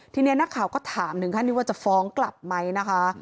ทีนี้นักข่าวก็ถามถึงขั้นที่ว่าจะฟ้องกลับไหมนะคะ